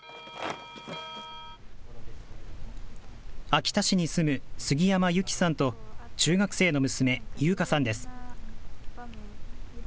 秋田市に住む杉山有希さんと、中学生の娘、悠華さんです。